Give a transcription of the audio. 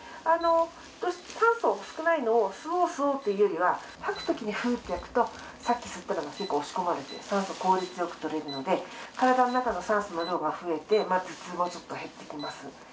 酸素が少ないのを、吸おう吸おうというよりは、吐くときにふーってやると、さっき吸った酸素が押し込まれて、酸素効率よく取れるので、体の中の酸素の量が増えて、頭痛はちょっと減ってきます。